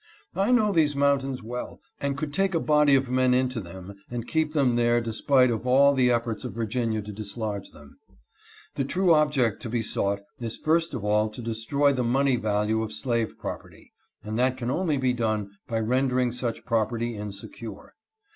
I know these mountains well, and could take a body of men into them and keep them there despite of all the efforts of Virginia to dislodge them. //The true object to be sought is first of all to destroy 'the money value of slave property ; and that can only be done by JOHN brown's plan. 341 rendering such property insecure.